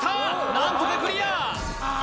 何とかクリア